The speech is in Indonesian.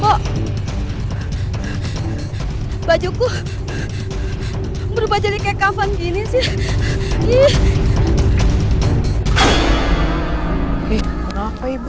kok bajuku berubah jadi kayak kapan gini sih